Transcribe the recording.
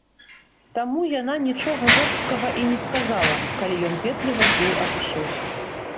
Таму яна нічога жорсткага і не сказала, калі ён ветліва з ёю абышоўся.